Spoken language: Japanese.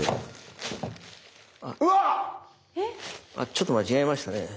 ちょっと間違えましたね。